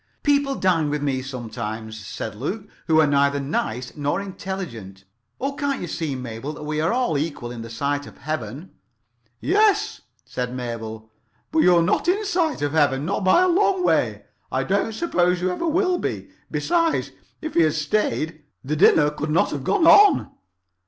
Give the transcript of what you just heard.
"People dine with me sometimes," said Luke, "who are neither nice nor intelligent. Oh, can't you see, Mabel, that we are all equal in the sight of Heaven?" "Yes," said Mabel, "but you're not in sight of Heaven—not by a long way. I don't suppose you ever will be. Besides, if he had stayed, the dinner could not have gone on."